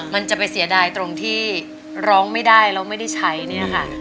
มันจะไปเสียดายตรงที่ร้องไม่ได้แล้วไม่ได้ใช้เนี่ยค่ะ